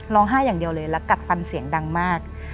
อย่างเดียวเลยแล้วกัดฟันเสียงดังมาก